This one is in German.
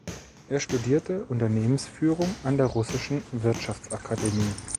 Er studierte Unternehmensführung an der Russischen Wirtschaftsakademie.